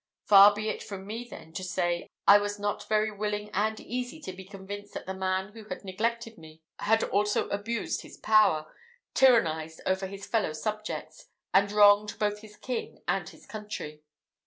Far be it from me, then, to say, I was not very willing and easy to be convinced that the man who had neglected me had also abused his power, tyrannized over his fellow subjects, and wronged both his king and his country.